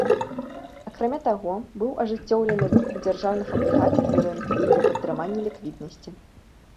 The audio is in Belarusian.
Акрамя таго, быў ажыццёўлены выкуп дзяржаўных аблігацый з рынку для падтрымання ліквіднасці.